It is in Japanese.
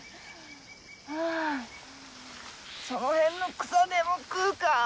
あその辺の草でも食うか。